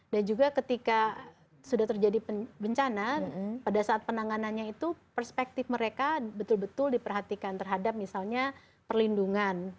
dan juga ketika sudah terjadi bencana pada saat penanganannya itu perspektif mereka betul betul diperhatikan terhadap misalnya perlindungan